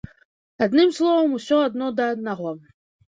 Адным словам, усё адно да аднаго.